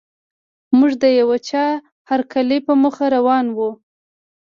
موږ د یوه چا هرکلي په موخه روان وو.